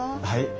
はい。